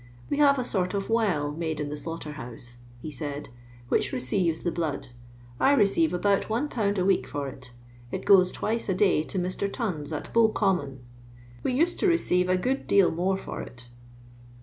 " We have a sort of well made in the slaughterhouse," he said, " whidi receives the blood. I receive abont 1^. a wedc for it ; it goes twice a day to Mr. Ton's, at Bov Common. We used to receive a good deal more for it."